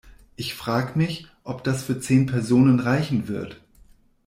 Ich frag' mich, ob das für zehn Personen reichen wird!?